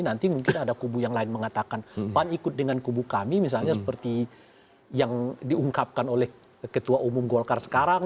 nanti mungkin ada kubu yang lain mengatakan pan ikut dengan kubu kami misalnya seperti yang diungkapkan oleh ketua umum golkar sekarang